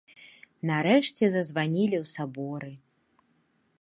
Нарэшце зазванілі ў саборы.